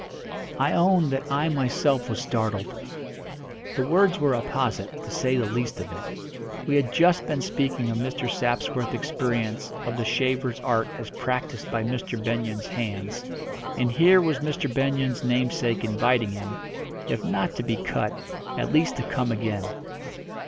I own that I myself was startled. The words were apposite, to say the least of it. We had just been speaking of Mr. Sapsworth's experience of the shaver's art as practised by Mr. Benyon's hands, and here was Mr. Benyon's namesake inviting him, if not to be cut, at least to come again.